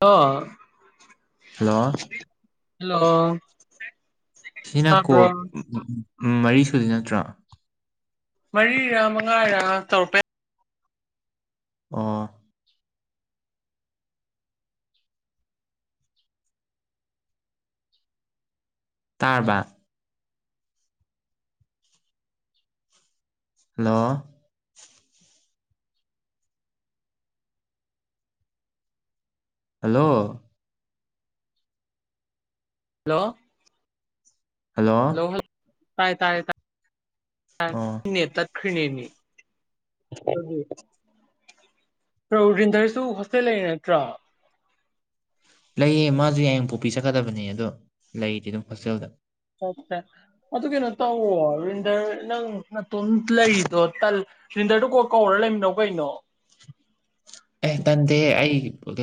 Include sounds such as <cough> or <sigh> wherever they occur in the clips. ꯑ hello hello ꯁꯤꯅ call ꯇꯥꯕ꯭ꯔꯣ ꯃꯔꯤ ꯁꯨꯗ ꯅꯠꯇ꯭ꯔꯣ ꯃꯔꯤꯔꯥ ꯃꯉꯥꯔꯥ ꯇꯧꯔꯛꯄꯦ ꯑ ꯇꯥꯔꯕꯥ ꯍꯜꯂꯣ ꯍꯂꯣ ꯍꯜꯂꯣ ꯍꯜꯂꯣ ꯇꯥꯏ ꯇꯦ ꯑꯣ ꯇ ꯌꯦ ꯈꯅꯤꯅꯤ ꯔꯣꯔꯤꯟꯗꯔꯁꯨ ꯍꯣꯁꯇꯦꯜ ꯂꯩꯔ ꯅꯠꯇ꯭ꯔꯣ ꯂꯩꯌꯦ ꯃꯥꯁꯨ ꯌꯥꯝꯄꯣꯛꯄꯤ ꯆꯠꯀꯗꯕꯅꯦ ꯑꯗꯣ ꯂꯩꯗꯤ ꯑꯗꯨꯝ ꯍꯣꯁꯇꯦꯜꯗ ꯆꯥ ꯑꯗꯨ ꯀꯩꯅꯣ ꯇꯧꯕ ꯑꯔꯕꯤꯟꯗꯔ ꯅꯪ ꯅ ꯇꯣꯟ ꯂꯩꯗꯣ ꯇꯜ ꯟꯗꯔꯗꯨ ꯀꯣ ꯀꯧꯔ ꯂꯩꯃꯤꯅꯧ ꯀꯩꯅꯣ ꯑꯦ ꯀꯟꯗꯦ ꯑꯩ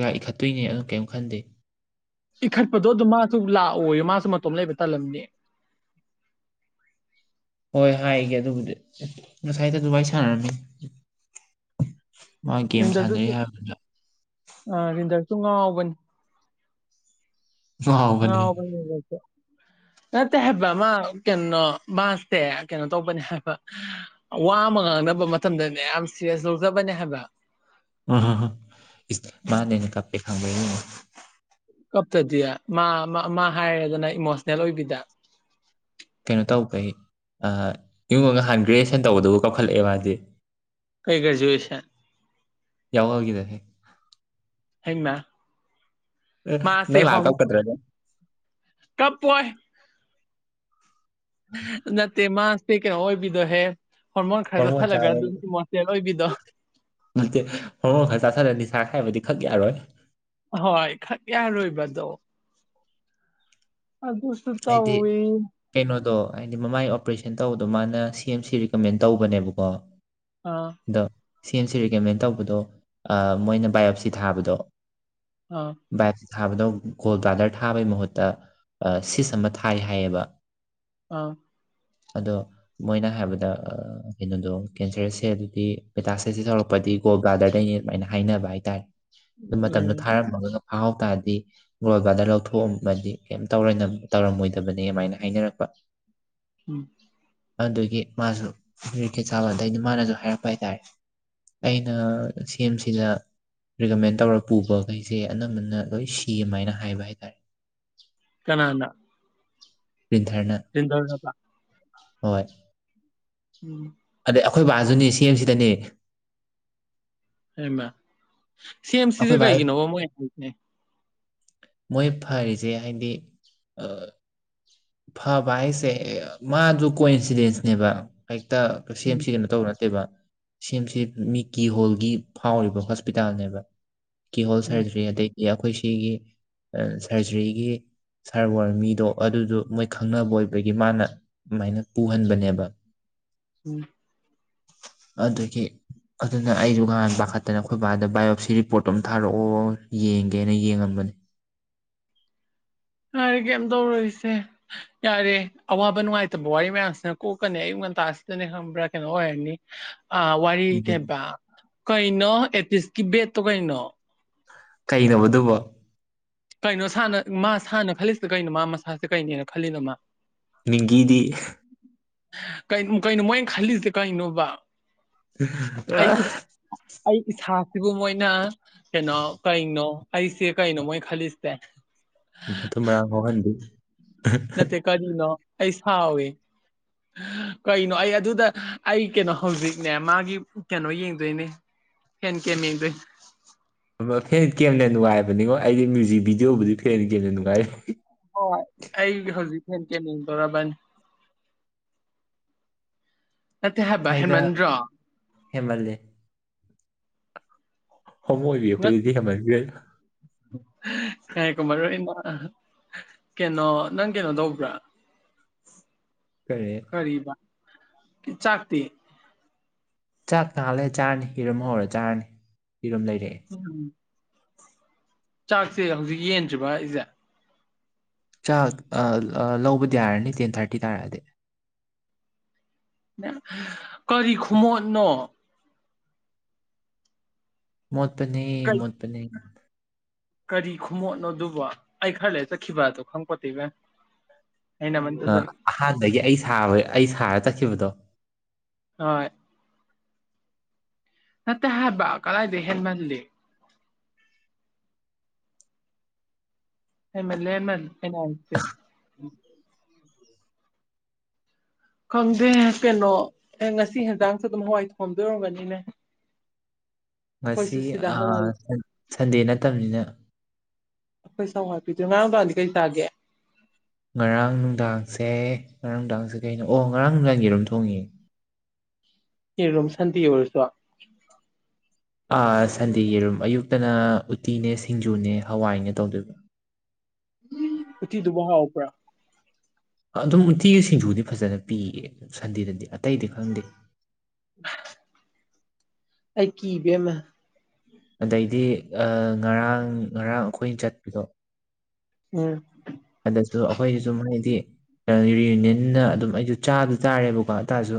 ꯀ ꯏꯈꯠꯇꯣꯏꯅꯦ ꯑꯗꯨ ꯀꯔꯤꯝ ꯈꯟꯗꯦ ꯏ ꯈꯠꯄꯗꯣ ꯑꯗꯨ ꯃꯥ ꯑꯗꯨ ꯂꯥꯛꯑꯣ ꯃꯥꯁꯨ ꯃꯇꯣꯝ ꯂꯩꯕ ꯇꯥꯂꯝꯅꯤ ꯍꯣꯏ ꯍꯥꯏꯒꯦ ꯑꯗꯨꯕꯨꯗꯤ ꯉꯁꯥꯏꯗ ꯑꯗꯨ ꯋꯥꯔꯤꯏ ꯁꯥꯥꯟꯔꯅꯤ ꯃꯥ ꯒꯦꯝ ꯁꯥꯟꯅꯩ ꯔꯤꯟꯗꯔꯗꯨꯁꯨ ꯍꯥꯏꯕꯗ ꯇꯨꯡꯉꯕꯟ ꯉꯥꯎꯕꯅꯦ ꯇꯉꯕ ꯅꯠꯇꯦ ꯍꯥꯏꯕ ꯃꯥ ꯀꯩꯅꯩꯅꯣ ꯃꯥꯁꯇꯦ ꯀꯩꯅꯣ ꯇꯧꯕꯅꯦ ꯍꯥꯏꯕ ꯋꯥꯃꯒ ꯈꯪꯅꯕ ꯃꯇꯝꯗꯅꯦ ꯌꯥꯝ ꯁꯤꯔꯤꯌꯁ ꯂꯧꯖꯕꯅꯦ ꯍꯥꯏꯕ ꯎ ꯃꯥꯅꯦꯅ ꯀꯞꯄꯩ ꯈꯪꯗ ꯀꯞꯇꯗꯤ ꯃꯥ ꯃꯥ ꯍꯥꯏꯔꯦꯗꯅ ꯏꯃꯣꯁꯅꯦꯜ ꯑꯣꯏꯕꯤꯗ ꯀꯩꯅꯣ ꯇꯧꯈꯩ ꯌꯨꯡꯉꯒ ꯅꯍꯥꯟ ꯒ꯭ꯔꯦꯖꯨꯑꯦꯁꯟ ꯇꯧꯕꯗꯕꯨ ꯀꯧꯈꯠꯂꯛꯑꯦꯕ ꯃꯥꯗꯤ ꯀꯩ ꯀꯔꯖꯨꯣꯏꯁ ꯌꯥꯎ ꯍꯡꯅ ꯃꯥꯁꯦ ꯅꯪ ꯍ ꯂꯥꯛꯑ ꯀꯞꯀꯗ꯭ꯔꯥ ꯀꯞ ꯄꯥꯏ ꯅꯠꯇ ꯃꯥꯁ ꯄꯦ ꯀ ꯍꯣꯏꯕꯤꯤꯗꯣ ꯍꯦ ꯃ ꯈꯖꯁꯥ ꯂꯒ ꯑꯗꯨ ꯃꯁꯦ ꯍꯣꯏꯖ ꯁꯖ ꯅꯤꯁꯥ ꯍꯥꯏꯥꯏꯕꯗꯤ ꯈꯛ ꯌꯥꯔꯣꯏ ꯍꯣꯏ ꯈꯛ ꯌꯥꯔꯣꯏꯕꯗꯣ ꯑꯗꯨꯁꯨ ꯍꯥꯏꯗꯤ ꯇꯧꯋꯤ ꯀꯩꯅꯣꯗꯣ ꯍꯥꯏꯗꯤ ꯃꯃꯥꯏꯒꯤ ꯑꯣꯄꯔꯦꯁꯟ ꯇꯧꯕꯗꯣ ꯃꯥꯅ ꯁꯤ ꯑꯦꯝ ꯁꯤ ꯔꯤꯀꯃꯦꯟ ꯇꯧꯕꯅꯦꯕꯀꯣ ꯑꯥ ꯑꯗꯣ ꯁꯦꯝ ꯑꯁꯤ ꯔꯤꯀꯃꯦꯟ ꯇꯧꯕꯗꯣ ꯃꯣꯏꯅ ꯕꯥꯏꯑꯣꯞꯁꯤ ꯊꯥꯕꯗꯣ ꯑꯥ ꯕꯥꯏꯑꯣꯞꯁꯤ ꯊꯥꯕꯗꯣ ꯒꯣꯜ ꯥꯗꯔ ꯊꯥꯕꯩ ꯃꯍꯨꯠꯇ ꯁꯤꯁ ꯑꯃ ꯊꯥꯏ ꯍꯥꯏꯌꯦꯕ ꯑꯥ ꯑꯗꯣ ꯃꯣꯏꯅ ꯍꯥꯏꯕꯗ ꯀꯩꯅꯣꯗꯣ ꯀꯦꯟꯁꯔꯁꯦ ꯑꯗꯨꯗꯤ ꯄꯦꯇꯥꯁꯦꯁꯦ ꯇꯧꯔꯛꯄ ꯗꯤ ꯒꯣꯜ ꯗꯔꯗꯩꯅꯤ ꯑꯗꯨꯃꯥꯏꯅ ꯍꯥꯏꯅꯕ ꯍꯥꯏꯇꯥꯔꯦ ꯑꯗꯨ ꯃꯇꯝꯗꯣ ꯎꯝ ꯊꯥꯔꯝꯃꯒ ꯐꯥꯍꯥꯎ ꯇꯥꯔꯗꯤ ꯒꯣꯏꯕꯗ ꯂꯧꯊꯣꯛꯑꯝꯃꯗꯤ ꯀꯩꯝ ꯇꯧꯔꯣꯏ ꯇꯧꯔꯝꯃꯣꯏꯗꯕꯅꯦ ꯑꯗꯨꯃꯥꯏꯅ ꯍꯥꯏꯅꯔꯛꯄ ꯎꯝ ꯑꯗꯨꯒꯤ ꯃꯥꯁꯨ ꯀꯔꯤꯀꯦꯠ ꯁꯥꯕ ꯑꯗꯩꯗꯤ ꯃꯥꯅꯁꯨ ꯍꯥꯏꯔꯛꯄ ꯍꯥꯏꯇꯥꯔꯦ ꯑꯩꯅ ꯁꯤ ꯑꯦꯝ ꯁꯤꯗ ꯔꯤꯀꯃꯦꯟ ꯇꯧꯔ ꯄꯨꯕꯈꯩꯁꯦ ꯑꯅꯝꯕꯅ ꯂꯣꯏ ꯁꯤꯃꯥꯏꯅ ꯍꯥꯏꯕ ꯍꯥꯏ ꯇꯔꯦ ꯀꯅꯥ ꯄ꯭ꯔꯤꯟꯊꯔꯅ ꯁꯤꯟꯗꯔꯗ ꯍꯣꯏ ꯎꯝ ꯑꯗꯩ ꯑꯩꯈꯣꯏ ꯕꯥꯖꯅꯤ ꯁꯤ ꯑꯦꯝ ꯁꯤꯗꯅꯦ ꯍꯃ ꯁꯤ ꯑꯦꯝ ꯁꯤꯁꯦ ꯕꯥ ꯀꯩꯒꯤꯅꯣꯕ ꯃꯣꯏ ꯍꯥꯏꯅꯦ ꯃꯣꯏ ꯐꯔꯤꯁꯦ ꯍꯥꯏꯗꯤ ꯐꯕ ꯍꯥꯏꯁꯦ ꯃꯥꯗꯨ ꯀꯣꯏ ꯏꯟꯁꯤꯗꯦꯟꯁꯅꯦꯕ ꯍꯦꯛꯇ ꯁꯦꯝ ꯎꯝ ꯁꯤꯒꯅꯣ ꯇꯧꯕ ꯅꯠꯇꯦꯕ ꯁꯦꯝꯁꯦ ꯃꯤꯀꯤ ꯍꯣꯜꯒꯤ ꯐꯥꯎꯔꯤꯕ ꯍꯣꯁꯄꯤꯇꯥꯜꯅꯦꯕ ꯀꯤꯍꯣꯜ ꯎꯝ ꯁꯔꯖꯔꯤ ꯑꯗꯩ ꯑꯩꯈꯣꯏ ꯁꯤꯒꯤ ꯁꯔꯖꯔꯤꯒꯤ ꯁꯥꯔ ꯋꯥꯔ ꯃꯤꯗꯣ ꯑꯗꯨꯗꯣ ꯃꯣꯏ ꯈꯪꯅꯕ ꯑꯣꯏꯕꯒꯤ ꯃꯥꯅ ꯑꯗꯨꯃꯥꯏꯅ ꯄꯨꯍꯟꯕꯅꯦꯕ ꯎꯝ ꯑꯗꯨꯗꯒꯤ ꯑꯗꯨꯅ ꯑꯩꯁꯨ ꯉꯍꯥꯟ ꯄꯥꯈꯠꯇꯅ ꯑꯩꯈꯣꯏ ꯕꯥꯗ ꯕꯥꯏꯑꯣꯞꯁꯤ ꯔꯤꯄꯣꯔꯠꯇꯣ ꯑꯃ ꯊꯥꯔꯛꯑꯣ ꯌꯦꯡꯒꯦꯅ ꯌꯦꯡꯉꯝꯕ <unintelligible> ꯌꯥꯔꯦ ꯀꯩꯝ ꯇꯧꯔꯔꯤꯁꯦ ꯌꯥꯔꯦ ꯑꯋꯥꯕ ꯅꯨꯡꯉꯥꯏꯇꯕ ꯋꯥꯔꯤ ꯃꯌꯥꯝꯁꯤꯅ ꯀꯣꯛꯀꯅꯤ ꯑꯩ ꯑꯁꯇ ꯅ ꯈ꯭ꯔ ꯀꯩꯅꯣ ꯑꯣꯏꯔꯅꯤ ꯑ ꯋꯥꯔꯤ ꯀꯩꯕ ꯀꯩꯅꯣ ꯑꯦꯠꯂꯤꯁꯀꯤ ꯕꯦꯠꯇꯣ ꯀꯩꯅꯣ ꯀꯩꯅꯅꯕꯗꯨꯕ ꯀꯩꯅꯣꯥꯟꯅ ꯃꯥ ꯁꯥꯟꯅ ꯈꯜꯂꯤꯁꯤꯗ ꯀꯩꯅꯣ ꯃꯥ ꯃꯁꯁꯤꯦ ꯀꯅꯦꯅ ꯈꯜꯂꯤꯅꯣ ꯃꯥ ꯅꯤꯡꯒꯤꯤꯗꯤ ꯀ ꯀꯩꯅꯣ ꯃꯣꯏꯅ ꯈꯜꯂꯤꯁꯦ ꯀꯩꯅꯣꯕ ꯑꯩ ꯑꯩ ꯏꯁ ꯁꯤꯕꯨ ꯃꯣꯏꯅ ꯀꯩꯅꯣ ꯀꯩꯅꯣ ꯑꯩꯁꯦ ꯀꯩꯅꯣ ꯃꯣꯏ ꯈꯜꯂꯤꯁꯦ ꯐꯠꯇ ꯃꯔꯥꯡ ꯍꯍꯟꯕꯤ ꯅ ꯀꯔꯤꯅꯣ ꯑꯁꯥꯎꯦ ꯀꯩꯅꯣ ꯑꯩ ꯑꯗꯨꯗ ꯑꯩ ꯀꯩꯅꯣ ꯍꯧꯖꯤꯛꯅꯦ ꯃꯥꯒꯤ ꯀꯩꯅꯣ ꯌꯦꯡꯗꯣꯏꯅꯦ ꯍꯦꯟ ꯀꯦꯃꯤꯗꯔꯤ ꯐꯦꯟ ꯀꯦꯝꯅ ꯅꯨꯡꯉꯥꯏꯕꯅꯤꯉꯣ ꯑꯩꯗꯤ ꯃ꯭ꯌꯨꯖꯤꯛ ꯚꯤꯗꯤꯑꯣꯕꯨꯗꯤ ꯐꯦꯟ ꯀꯦꯝꯅ ꯅꯨꯡꯉꯥꯏ ꯍꯣꯏ ꯑꯩ ꯍꯧꯖꯤꯛ ꯊ ꯀ ꯇꯧꯔꯥꯕꯟ ꯊꯥꯏꯗ ꯅꯠꯇꯕꯍꯦꯃꯟꯗ꯭ꯔꯣ ꯍꯦꯟꯃꯜꯂꯦ ꯍꯣꯃꯣ ꯑꯣꯏꯕꯤ ꯑꯩꯈꯣꯏꯗꯗꯤ ꯍꯦꯟꯃꯟꯈ꯭ꯔꯦ ꯍ ꯀꯨꯃꯔ ꯑ ꯀꯩꯅꯣ ꯅꯪ ꯀꯩꯅꯣ ꯇꯧꯕ꯭ꯔꯥ ꯀꯔꯤ ꯀꯔꯤꯕ ꯆꯥꯛꯇꯤ ꯆꯥꯛ ꯇꯥꯍꯜꯂꯦ ꯆꯥꯔꯅꯤ ꯍꯤꯔꯝ ꯍꯧꯔ ꯆꯥꯔꯅꯤ ꯍꯤꯔꯝ ꯂꯩꯔꯛꯑꯦ ꯆꯥꯛꯁꯦ ꯍꯧꯖꯤꯛ ꯌꯦꯟꯗ꯭ꯔꯤꯕ ꯍꯥꯏꯖꯦ ꯆꯥꯛ ꯂꯧꯕꯗꯤ ꯌꯥꯔꯅꯤ ꯇꯦꯟ ꯊꯥꯔꯇꯤ ꯇꯥꯔꯛꯑꯗꯤ ꯀꯔꯤ ꯈꯨꯃꯣꯠꯅꯣ ꯃꯣꯠꯄꯅꯦ ꯀꯩ ꯃꯣꯠꯄꯅꯦ ꯀꯔꯤ ꯈꯃꯣꯠꯅꯣꯑꯗꯨꯕꯣ ꯑꯩ ꯈꯔ ꯂꯩ ꯆꯠꯈꯤꯕꯗꯣ ꯈꯪꯄꯣꯠꯇꯦ ꯏꯕꯦꯝ ꯑꯩꯅ ꯃꯟꯗꯨꯗ ꯑꯍꯥꯟꯕꯗꯒꯤ ꯑꯩ ꯁꯥꯕ ꯑꯩ ꯁꯥꯔ ꯆꯠꯈꯤꯕꯗꯣ ꯍꯣꯏ ꯅꯠꯇꯦ ꯍꯥꯏꯕ ꯀꯂꯥꯏꯗꯦ ꯍꯦꯜꯃꯜꯂꯤ ꯍꯦꯜꯃꯜꯂꯦ ꯍꯦꯜꯝꯜꯂꯤ <unintelligible> ꯈꯪꯗꯦ ꯀꯩꯅꯣ ꯑꯦ ꯉꯁꯤ ꯍꯟꯆꯥꯡꯁꯨ ꯑꯗꯨꯝ ꯍꯋꯥꯏ ꯊꯣꯝꯗꯣꯏꯔꯝꯒꯅꯤꯅꯦ <unintelligible> ꯉꯁꯤ ꯁꯟꯗꯦ ꯅꯠꯇꯕꯅꯤꯅ ꯑꯩꯈꯣꯏ ꯁꯧ ꯃꯄꯤꯗꯣ ꯉꯔꯥꯡ ꯅꯡꯗꯥꯡꯗꯤ ꯀꯩ ꯆꯥꯒꯦ ꯉꯔꯥꯡ ꯅꯨꯡꯗꯥꯡꯁꯦ ꯉꯔꯥꯡ ꯅꯨꯡꯗꯥꯡꯁꯦ ꯀꯩꯅꯣ ꯑꯣ ꯉꯔꯥꯡ ꯅꯨꯡꯗꯥꯡꯒꯤ ꯑꯗꯨꯝ ꯊꯣꯡꯉꯦ ꯌꯦꯔꯣꯝ ꯁꯥꯟꯗꯦ ꯑꯣꯏꯔꯁꯨ ꯁꯟꯗꯦ ꯌꯦꯔꯨꯝ ꯑꯌꯨꯛꯇꯅ ꯎꯇꯤꯅꯦ ꯁꯤꯡꯖꯨꯅꯦ ꯍꯋꯥꯏꯅꯦ ꯇꯧꯗꯣꯏꯕꯥ ꯎꯇꯤꯗꯨꯕꯨ ꯍꯥꯎꯕ꯭ꯔꯣ ꯑꯗꯨꯝ ꯎꯇꯤꯒꯤ ꯁꯤꯡꯖꯨꯗꯤ ꯐꯖꯅ ꯄꯤꯌꯦ ꯁꯟꯗꯦꯗꯗꯤ ꯑꯇꯩꯗꯤ ꯈꯪꯗꯦ <unintelligible> ꯑꯩ ꯀꯤ ꯏꯕꯦꯝꯃ ꯑꯗꯩꯗꯤ ꯉꯔꯥꯡ ꯉꯔꯥꯡ ꯑꯩꯈꯣꯏꯅ ꯆꯠꯄꯗꯣ ꯎꯝ ꯑꯗꯨꯁꯨ ꯑꯩꯈꯣꯏꯁꯤꯁꯨ ꯃꯣꯏꯗꯤ ꯌꯨꯅꯤꯌꯟꯅ ꯑꯗꯨꯝ ꯑꯩꯁꯨ ꯆꯥꯗ ꯇꯥꯔꯦꯕꯀꯣꯇꯥꯔꯁꯨ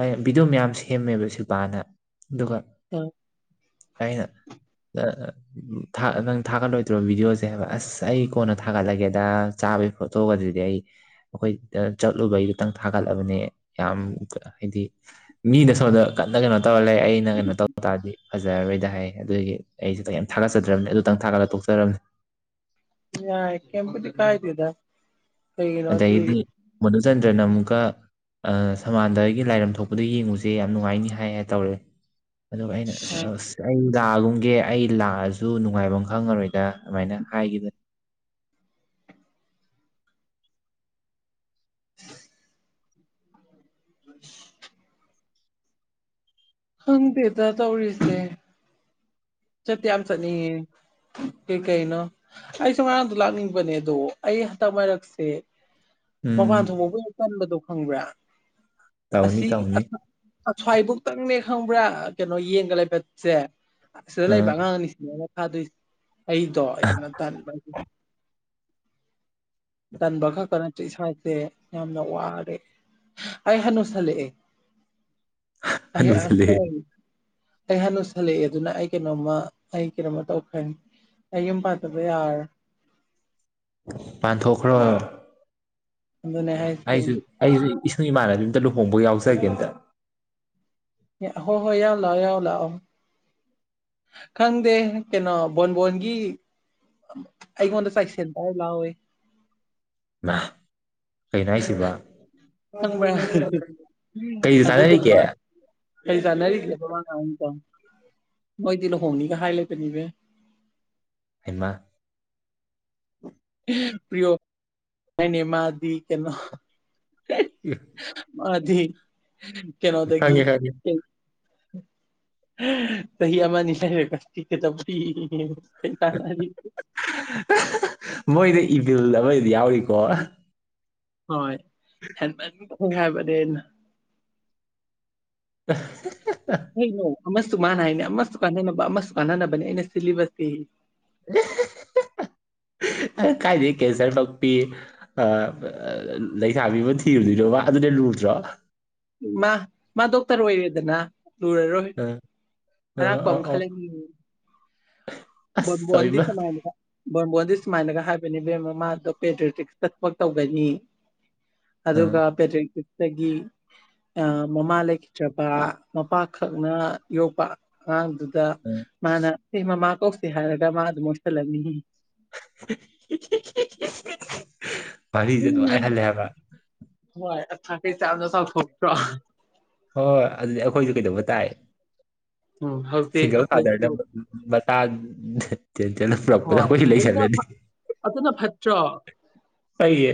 ꯑꯩꯅ ꯚꯤꯗꯤꯑꯣ ꯃꯌꯥꯝ ꯁꯦꯝꯃꯦꯕ ꯁꯤꯜꯕꯥꯅ ꯑꯗꯨꯒ ꯎꯝ ꯑꯩꯅ ꯅꯪ ꯊꯥꯒꯠꯂꯣꯏꯗ꯭ꯔꯣ ꯚꯤꯗꯤꯑꯣꯁꯦ ꯍꯥꯏꯕ ꯑꯁ ꯑꯩ ꯀꯣꯟꯅ ꯊꯥꯒꯠꯂꯒꯦ ꯗ ꯆꯥꯕꯒꯤ ꯐꯣꯠꯇꯣꯛꯒꯗꯗꯤ ꯑꯩ ꯑꯩꯈꯣꯏꯗ ꯆꯠꯂꯨꯕꯩ ꯈꯤꯇꯪ ꯊꯥꯒꯠꯂꯕꯅꯤ ꯌꯥꯝ ꯍꯥꯏꯗꯤ ꯃꯤꯗ ꯁꯣꯝꯗ ꯀꯟꯅ ꯀꯩꯅꯣ ꯇꯧꯔ ꯂꯩ ꯑꯩꯅ ꯀꯩꯅꯣ ꯇꯧ ꯇꯥꯔꯗꯤ ꯐꯖꯔꯔꯣꯏꯗ ꯍꯥꯏꯌꯦ ꯑꯗꯨꯒꯤ ꯑꯩꯁ ꯀꯝ ꯊꯥꯒꯠꯆꯗ꯭ꯔꯕꯅꯤ ꯑꯗꯨꯇꯪ ꯊꯥꯒꯠꯂꯊꯣꯛꯆꯔꯝꯅꯦ ꯌꯥ ꯀꯦꯝꯕꯨꯗꯤ ꯀꯥꯏꯗꯦꯗ ꯀꯩꯒꯤꯅꯣꯗꯤ ꯃꯣꯗꯨꯆꯜꯗ꯭ꯔ ꯅ ꯑꯃꯨꯀ ꯁꯃꯥꯟꯗ ꯑꯩꯒꯤ ꯂꯥꯏꯔꯝ ꯊꯣꯛꯄꯗ ꯌꯦꯡꯉꯨꯁꯦ ꯌꯥꯝ ꯅꯨꯡꯉꯥꯏꯅꯤ ꯍꯥꯏ ꯍꯥꯏ ꯇꯧꯔꯦ ꯑꯗꯨꯒ ꯑꯩꯅ ꯂꯥꯛꯑꯒꯨꯝꯒꯦ ꯑꯩ ꯂꯥꯛꯑꯁꯨ ꯅꯨꯡꯉꯥꯏꯐꯝ ꯈꯪꯉꯔꯣꯏꯗ ꯑꯗꯨꯃꯥꯏꯅ ꯍꯥꯏꯈꯤꯕꯅꯤ <unintelligible> <unintelligible> ꯍ <unintelligible> ꯈꯪꯗꯦꯗ ꯇꯧꯔꯤꯁꯦ ꯆꯠꯇꯤ ꯌꯥꯝ ꯆꯠꯅꯤꯡ ꯏ ꯀꯩ ꯀꯩꯅꯣ ꯑꯩꯁꯨ ꯉꯔꯥꯡꯗꯣ ꯂꯥꯛꯅꯤꯡꯕꯅꯦ ꯑꯗꯣ ꯑꯩ ꯍꯟꯇꯛ ꯃꯔꯔꯛꯁꯦ ꯎꯝ ꯃꯄꯥꯟ ꯊꯣꯛꯣꯡꯄꯕꯨ ꯑꯣꯏꯅ ꯀꯟꯕꯗꯣ ꯈꯪꯕ꯭ꯔꯥ ꯇꯧꯅꯤ ꯑꯁꯤ ꯇꯧꯅꯤ ꯑꯁ꯭ꯋꯥꯏꯕꯨꯛꯇꯪꯅꯦ ꯈꯪꯕ꯭ꯔꯥ ꯀꯩꯅꯣ ꯌꯦꯡꯒ ꯂꯩꯕꯁꯦ ꯑꯁꯤꯗ ꯑ ꯂꯩꯕ ꯑꯉꯥꯡ ꯑꯅꯤꯁꯤꯅꯦ ꯑꯗꯨꯏ ꯑꯩꯗꯣ ꯌꯥꯝꯅ ꯇꯟꯕ ꯇꯅꯕ ꯈꯛꯇ ꯏꯁꯥꯁꯦ ꯌꯥꯝꯅ ꯋꯥꯔꯦ ꯑꯩ ꯍꯅꯨꯁꯜꯂꯛꯑꯦ ꯑ ꯑ ꯍꯅꯨꯁꯜꯂꯛꯑꯦ <unintelligible> ꯑꯩ ꯍꯥꯅꯨꯁꯜꯂꯛꯑꯦ ꯑꯗꯨꯅ ꯑꯩ ꯀꯩꯅꯣꯝꯃ ꯑꯩ ꯀꯩꯅꯣꯝꯃ ꯇꯧꯈ꯭ꯔꯅꯤ ꯑꯌꯨꯝ ꯄꯥꯠꯕ ꯌꯥꯔꯔꯣꯏ ꯄꯥꯟꯊꯣꯛꯈ꯭ꯔꯣ ꯑꯗꯨꯅꯦ ꯍꯥꯏꯁꯦ ꯑꯩꯁꯨ ꯑꯩꯁꯨ ꯏꯁꯁꯨꯨ ꯏꯃꯥꯟꯅꯕꯤ ꯑꯝꯇ ꯂꯨꯍꯣꯡꯕ ꯌꯥꯎꯖꯒꯦ ꯑꯝꯇ ꯍꯣ ꯍꯣꯏ ꯌꯥꯎ ꯂ ꯌꯥꯎ ꯂꯥꯛꯑꯣ ꯈꯪꯗꯦ ꯀꯩꯅꯣ ꯕꯣꯟꯕꯣꯟꯒꯤ ꯑꯩ ꯃꯣꯟꯇ ꯆꯥꯏ ꯁꯦꯟꯇꯔ ꯂꯑꯣꯣꯏ ꯍꯅꯁꯤꯕ ꯈꯪꯕ꯭ꯔꯥ ꯆꯥꯟꯅꯔꯤꯒꯦ ꯑꯗꯨꯒꯨꯝꯕ ꯀꯩ ꯆꯥꯟꯅꯔꯤꯒꯦꯕ ꯃꯣꯏꯗꯤ ꯂꯨꯍꯣꯡꯅꯤꯒ ꯍꯥꯏ ꯂꯩꯦꯕꯅꯤꯕ ꯑꯃ ꯄꯣ ꯃꯅꯦ ꯃꯥꯗꯤ ꯀꯩꯅꯣ ꯃꯥ ꯀꯩꯅꯣꯗꯒꯤ ꯈꯪꯉꯦ ꯈꯪꯉꯦ ꯀꯍꯤ ꯑ ꯑꯃꯅꯤ ꯍꯥꯏ ꯀꯤꯦ ꯇ ꯀꯩ ꯇꯅ ꯏꯜꯗꯕ ꯏ ꯌꯥꯎꯔꯤꯀꯣ ꯍꯣꯏ ꯍꯦꯜꯃꯦꯠ ꯈꯪ ꯍꯥꯏ ꯍꯥꯏꯕꯅꯤꯅ <unintelligible> ꯑꯃꯁꯨ ꯃꯥꯅ ꯍꯥꯏꯅꯦ ꯑꯃꯁꯨ ꯀꯥꯟꯅꯅꯕ ꯑꯃꯁꯨ ꯀꯥꯟꯅꯅꯕꯅꯦ ꯑꯩꯅ ꯁꯤꯜꯂꯤꯕꯁꯤ <unintelligible> <unintelligible> ꯀꯥꯏꯗꯗꯒꯤ ꯀꯦꯟꯁꯔ ꯄꯛ ꯄꯤ ꯂꯩꯁꯥꯕꯤꯕ ꯊꯤꯔꯨꯗꯣꯏꯅꯣꯕ ꯑꯗꯨꯗ ꯂꯨ ꯖꯥ ꯃꯥ ꯃꯥ ꯗꯣꯛꯇꯔ ꯑꯣꯏꯔꯦꯗꯅ ꯂꯔꯔꯣꯏ ꯑ ꯑ ꯑꯔꯥꯛꯄ ꯑ ꯑꯃ ꯑꯣ ꯈꯜꯂ ꯑꯁ ꯟꯕꯋꯥ ꯇꯧꯏꯃ ꯆ ꯃꯥꯥꯏ ꯕ ꯁꯨꯃꯥꯏꯅꯒ ꯍꯥꯏꯕꯅꯦꯕꯦꯝ ꯃꯃꯗꯣ ꯄꯦꯇ꯭ꯔꯔꯤꯇꯤꯛꯁꯇ ꯊꯕꯛ ꯇꯧꯒꯅꯤ ꯑ ꯑꯗꯨꯒ ꯄꯦꯇ꯭ꯔꯦꯇꯤꯇꯒꯤ ꯃꯃꯥ ꯂꯩꯈꯤꯗ꯭ꯔꯕ ꯃꯄꯥ ꯈꯛꯅ ꯌꯣꯛꯄ ꯑꯉꯥꯡꯗꯨ ꯃꯥꯅ ꯁꯤ ꯃꯃꯥ ꯀꯧꯁꯦ ꯍꯥꯏꯔꯒ ꯃꯥ ꯑꯗꯨ ꯃꯣꯏꯠꯁꯤꯜꯂꯝꯅꯤ <unintelligible> ꯐꯔꯤ ꯆ ꯑꯗꯨ ꯎꯝ ꯑꯍꯂꯦ ꯍꯥꯏꯕ ꯊꯩ ꯆꯥꯡꯗ ꯁ ꯐꯣ꯭ꯔ ꯍꯣꯏ ꯍꯣꯏ ꯑꯗꯨꯗꯤ ꯑꯩꯈꯣꯏꯁꯨ ꯀꯩꯗꯧꯕ ꯇꯥꯏ ꯎꯝ ꯍꯧꯖꯤꯛ ꯁꯤꯁꯤꯡꯒꯜ ꯐꯥꯗꯔ ꯑꯩꯈꯣꯏꯁꯨ ꯅ ꯆꯅ ꯄꯄꯗ ꯍꯣꯏ ꯀꯁꯨ ꯂꯩ ꯑꯗꯨꯅ ꯆꯗꯅꯤ ꯐ- ꯑꯗꯨꯅ ꯐꯠꯇ꯭ꯔꯣ ꯑꯏꯌꯦ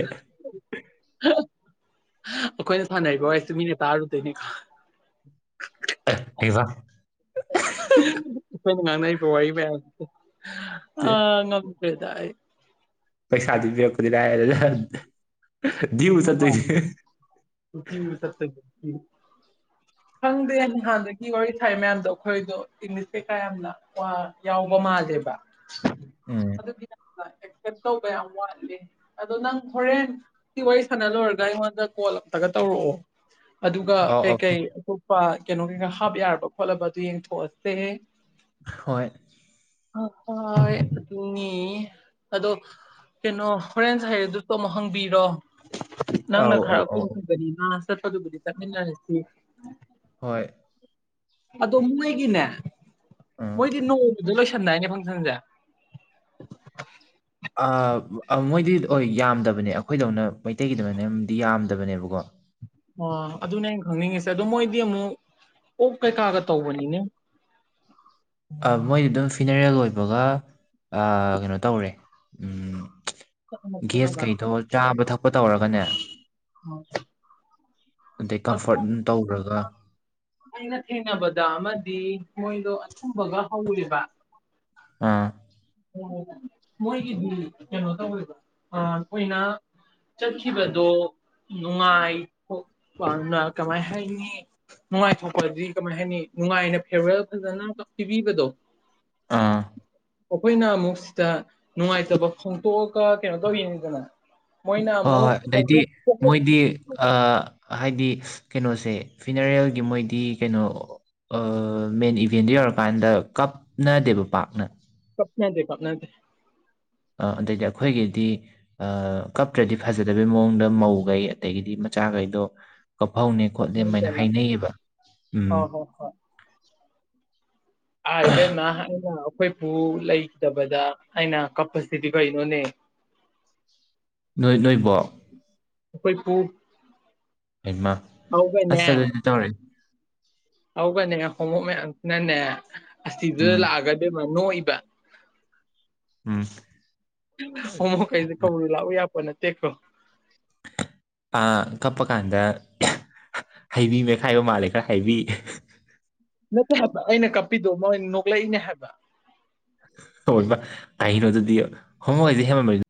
ꯑꯩꯈꯣꯏꯅ ꯁꯅꯩꯀꯣ ꯑꯩꯁꯨ ꯃꯤꯅ ꯇꯥꯔꯨꯗꯣꯏꯅꯦꯀꯣ ꯍꯕ ꯑꯩꯈꯣꯏꯅ ꯉꯥꯡꯅ ꯄ ꯋꯥꯔꯤꯕꯌꯥꯝ ꯑ ꯑꯗꯨꯗꯏ ꯄꯩꯁꯥꯗꯤꯔ ꯀꯗꯤꯔꯑ ꯍ ꯈꯪꯗꯦ ꯅꯍꯥꯟꯗꯒꯤ ꯋꯥꯔꯤ ꯊꯥꯏ ꯃꯌꯥꯝꯗꯣ ꯑꯩꯈꯣꯏꯗꯣ ꯏꯪꯂꯤꯁ ꯀꯩꯀꯥ ꯌꯥꯝꯅ ꯌꯥꯎꯕ ꯗꯦꯕ ꯎꯝ ꯑꯦꯛꯁꯦꯞ ꯇꯧꯕ ꯌꯥꯝ ꯋꯥꯠꯂꯤꯦ ꯑꯗꯣ ꯅꯪ ꯍꯣꯔꯦꯟ ꯋꯥꯔꯤ ꯁꯥꯟꯅ ꯂꯣꯏꯔꯒ ꯑꯩꯉꯣꯟꯗ ꯀꯣꯜ ꯑꯝꯇꯒ ꯇꯧꯔꯛꯑꯣ ꯑꯗꯨꯒ ꯑꯧ ꯑꯧ ꯀꯩꯀꯩ ꯀꯩꯅꯣ ꯀꯩꯀꯥ ꯍꯥꯞ ꯌꯥꯔꯕ ꯈꯣꯠꯂꯕ ꯑꯗꯨ ꯌꯦꯡꯊꯣꯛꯑꯁꯦ ꯍꯣꯏ ꯑ ꯍ ꯑꯗꯨ ꯑꯗꯨꯅꯤ ꯑꯗꯣ ꯀꯩꯅꯣ ꯍꯣꯔꯦꯟꯁ ꯍꯥꯏꯩꯔꯗꯨ ꯇꯣ ꯑꯃꯨꯛ ꯍꯪꯕꯤꯔꯣ ꯅꯪꯅ ꯑꯧ ꯑꯧ ꯈꯔ ꯑꯧ ꯀꯣꯡꯈꯕꯅꯤ ꯃꯥ ꯆꯠꯄꯗꯨꯕꯨꯗꯤ ꯆꯠꯃꯤꯟꯅꯔꯁꯤ ꯍꯣꯏ ꯑꯗꯣ ꯃꯣꯏꯒꯤꯅꯦ ꯎꯝ ꯃꯣꯏꯗꯤ ꯅꯣꯡ ꯑꯗꯨꯗ ꯂꯣꯏꯁꯟꯅꯅꯦ ꯐꯪꯁꯟꯁꯦ ꯃꯣꯏꯗꯤ ꯍ ꯌꯥꯝꯗꯕꯅꯦ ꯑꯩꯈꯣꯏꯗꯧꯅ ꯃꯩꯇꯩꯒꯤꯗꯅꯦꯗꯤ ꯌꯥꯝꯗꯕꯅꯦꯕꯀꯣ ꯑ ꯑꯗꯨꯅꯦ ꯑꯩꯅ ꯈꯪꯅꯤꯡꯉꯤꯁꯦ ꯑꯗꯣ ꯃꯣꯏꯗꯤ ꯑꯃꯨꯛ ꯑꯣ ꯀꯩꯀꯥꯒ ꯇꯧꯕꯅꯤꯅꯦ ꯃꯣꯏꯗꯤ ꯑꯗꯨꯝ ꯐꯤꯅꯔꯦꯜ ꯑꯣꯏꯕꯒ ꯀꯩꯅꯣ ꯇꯧꯔꯦ ꯆꯠꯅꯕ ꯒ꯭ꯦꯁ ꯈꯣꯠꯅꯕ ꯀꯩꯗꯣ ꯆꯥꯕ ꯊꯛꯄ ꯇꯧꯔꯒꯅꯦ ꯑꯗꯩ ꯀꯝꯐꯣꯔꯠ ꯇꯧꯔꯒ ꯑꯩꯅ ꯊꯦꯡꯅꯕꯗ ꯑꯃꯗꯤ ꯃꯣꯏꯗꯣ ꯑꯊꯨꯝꯕꯒ ꯍꯧꯔꯦꯕ ꯑꯥ ꯃꯣꯏꯒꯤꯗꯤ ꯀꯩꯅꯣ ꯇꯧꯗ ꯑꯩꯣꯏꯅ ꯆꯠꯈꯤꯕꯗꯣ ꯅꯨꯡꯉꯥꯏ ꯀꯃꯥꯏ ꯍꯥꯏꯒꯅꯤ ꯅꯨꯡꯉꯥꯏꯊꯣꯛꯄꯗꯤ ꯀꯃꯥꯏ ꯍꯥꯏꯅꯤ ꯅꯨꯡꯉꯥꯏꯅ ꯐꯦꯔꯋꯦꯜ ꯐꯖꯅ ꯑꯃ ꯄꯤꯕꯤꯕꯗꯣ ꯑꯥ ꯑꯩꯈꯣꯏꯅ ꯑꯃꯨꯛ ꯁꯤꯗ ꯅꯨꯡꯉꯥꯏꯇꯕ ꯐꯣꯡꯗꯣꯛꯑꯒ ꯀꯩꯅꯣ ꯇꯧꯋꯅꯤꯗꯅ ꯍꯣꯏ ꯍꯣꯏ ꯑꯗꯩꯗꯤ ꯃꯣꯏꯗꯤ ꯑ ꯍꯥꯏꯗꯤ ꯀꯩꯅꯣꯁꯦ ꯐꯤꯅꯔꯦꯜꯒꯤ ꯃꯣꯏꯗꯤ ꯀꯩꯅꯣ ꯃꯦꯟ ꯏꯚꯦꯟꯗꯨꯣ ꯌꯧꯔꯀꯥꯟꯗ ꯀꯞꯅꯗꯦꯕ ꯄꯥꯛꯅ ꯄꯠꯅꯗꯦ ꯄꯠꯅꯇꯦ ꯑꯗꯩꯗꯤ ꯑꯩꯈꯣꯏꯒꯤꯗꯤ ꯀꯞꯇ꯭ꯔꯗꯤ ꯐꯖꯗꯕꯩ ꯃꯑꯣꯡꯗ ꯃꯧꯈꯩ ꯑꯗꯒꯤꯗꯤ ꯃꯆꯥ ꯆꯥꯒꯩꯗꯣ ꯀꯞꯐꯧꯅꯦ ꯈꯣꯠꯂ ꯑꯗꯨꯥꯏꯅ ꯀꯞꯅꯩꯗꯅ ꯍꯥꯏꯅꯩꯌꯦꯕ ꯎꯝ ꯍꯣꯏ ꯍꯣꯏ ꯍꯣꯏ ꯑꯥ ꯏꯕꯦꯝꯃ ꯑꯩꯅ ꯑꯩꯈꯣꯏꯄꯨ ꯂꯩꯈꯤꯗꯕꯗ ꯑꯩꯅ ꯀꯞꯄꯁꯤꯗꯤ ꯀꯩꯅꯣꯅꯦ ꯅꯣꯏ ꯅꯣꯏꯕꯣꯛ ꯑꯩꯈꯣꯏ ꯄꯨꯨ ꯑꯩꯃ ꯑꯁ ꯑꯗꯨꯏꯗꯤ ꯇꯧꯔꯦ ꯍꯧꯒꯅꯦ ꯍꯣꯡꯃꯣꯛ ꯃꯌꯥꯝꯁꯤꯅꯅꯦ ꯑꯁꯤꯗꯨꯗ ꯎꯝ ꯂꯥꯛꯑꯒꯗꯤ ꯅꯣꯏꯕ ꯎꯝ ꯑꯃꯛ ꯀꯥꯏꯗ ꯀꯔ ꯂꯑꯣ ꯌꯥꯝꯅ ꯇꯦꯈꯣ ꯀꯞꯄ ꯀꯥꯟꯗ ꯍꯩꯕꯤ ꯃꯩꯈꯥꯏꯕ ꯃꯥꯜꯂꯦ ꯈꯔ ꯍꯩꯕꯤ ꯅꯠꯇꯦ ꯍꯥꯏꯕ ꯑꯩꯅ ꯀꯞꯄꯤꯗꯣ ꯃꯣꯏ ꯅꯣꯛꯂꯛꯏꯅꯦ ꯍꯥꯏꯕ ꯍꯕ ꯀꯩꯅꯣ ꯑꯗꯨꯗꯤ ꯍꯣꯡꯃꯣꯏ ꯍꯥꯏꯁꯦ ꯍꯦꯃꯃꯅꯤ